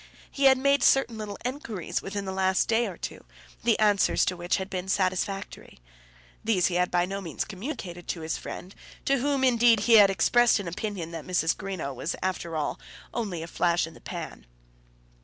He had made certain little inquiries within the last day or two, the answers to which had been satisfactory. These he had by no means communicated to his friend, to whom, indeed, he had expressed an opinion that Mrs. Greenow was after all only a flash in the pan.